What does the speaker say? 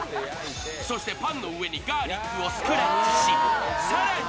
そしてパンの上にガーリックをスクラッチし更に